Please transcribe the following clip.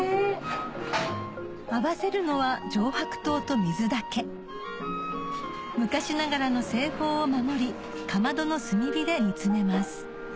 合わせるのは上白糖と水だけ昔ながらの製法を守りかまどの炭火で煮詰めます